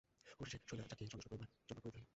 অবশেষে শৈলজাকে সন্তুষ্ট করিবার জন্য পরিতে হইল।